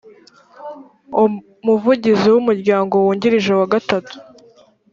umuvugizi w umuryango wungirije wa gatatu